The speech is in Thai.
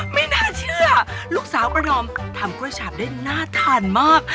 ไม่น่าเชื่อลูกสาวประดอมทำกล้วยฉาบได้น่าทานมาก